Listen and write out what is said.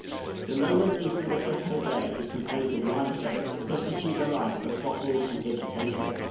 The low land eastward of Depôt Bay is composed of limestone, destitute alike of fossils and vegetation.